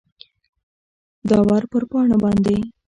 داور پر پاڼو باندي ،